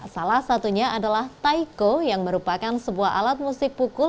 salah satunya adalah taiko yang merupakan sebuah alat musik pukul